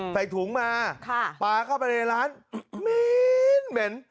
ใส่ถุงมาค่ะปาเข้าไปในร้านเม้นเหม็น